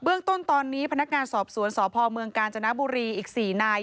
เรื่องต้นตอนนี้พนักงานสอบสวนสพเมืองกาญจนบุรีอีก๔นาย